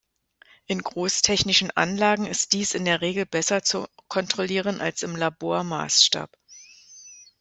In großtechnischen Anlagen ist dies in der Regel besser zu kontrollieren als im Labormaßstab.